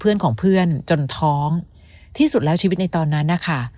เพื่อนของเพื่อนจนท้องที่สุดแล้วชีวิตในตอนนั้นนะคะ